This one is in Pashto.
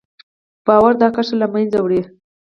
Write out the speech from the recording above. باور دا کرښه له منځه وړي.